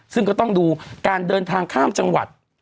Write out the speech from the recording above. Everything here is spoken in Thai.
ซึ่งก็ต้องดูการเดินทางข้ามจังหวัด